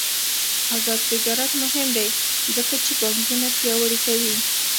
آزاد تجارت مهم دی ځکه چې بانکونه پیاوړي کوي.